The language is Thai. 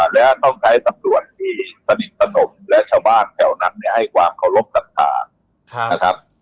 และต้องใช้ตำรวจที่สนิทสนมและชาวบ้านแถวนั้นเนี่ยให้ความเคารพสัทธานะครับ